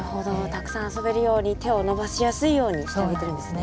たくさん遊べるように手を伸ばしやすいようにしてあげてるんですね。